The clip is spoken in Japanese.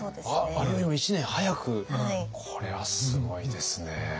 あれよりも１年早くこれはすごいですね。